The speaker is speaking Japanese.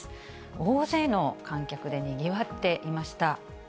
大勢の観客でにぎわっていました。